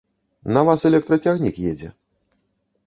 На вас электрацягнік едзе.